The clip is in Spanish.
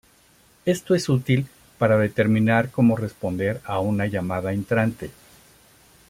Esto es útil para determinar cómo responder a una llamada entrante.